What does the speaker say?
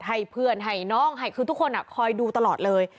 ให้เพื่อนให้น้องให้คือทุกคนคอยดูตลอดเลย